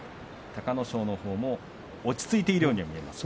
隆の勝のほうも落ち着いているようには見えます。